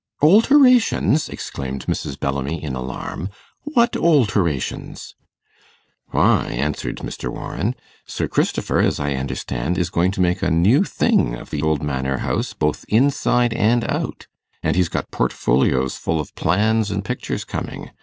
'Olterations!' exclaimed Mrs. Bellamy, in alarm. 'What olterations!' 'Why,' answered Mr. Warren, 'Sir Christopher, as I understand, is going to make a new thing of the old Manor house both inside and out. And he's got portfolios full of plans and pictures coming.